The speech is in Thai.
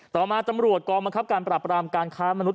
ต่อมาตำรวจกองบังคับการปรับรามการค้ามนุษ